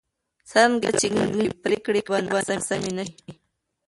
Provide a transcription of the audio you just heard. څرنګه چې ګډون وي، پرېکړې به ناسمې نه شي.